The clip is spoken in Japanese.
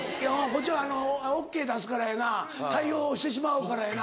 こっちはＯＫ出すからやな対応してしまうからやな。